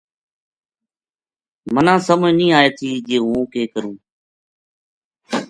مَنا سمجھ نیہہ آئے تھی جے ہوں کے کروں